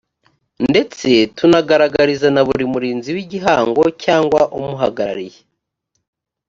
ndetse tunaganiriza na buri murinzi w igihango cyangwa umuhagarariye